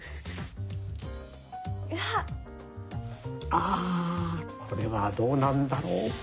あこれはどうなんだろう？